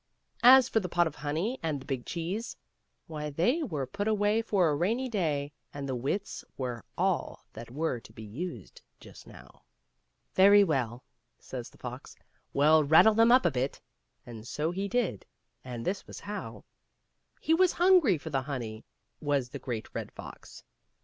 As for the pot of honey and the big cheese, why, they were put away for a rainy day, and the wits were all that were to be used just now. " Very well," says the fox, " we'll rattle them up a bit ;" and so he did, and this was how. He was hungry for the honey, was the Great Red Fox.